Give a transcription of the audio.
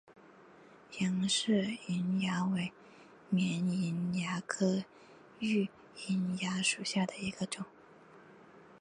杨氏瘿蚜为绵瘿蚜科榆瘿蚜属下的一个种。